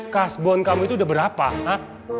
kasbon kamu itu udah berapa nak